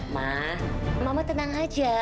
ma mama tenang aja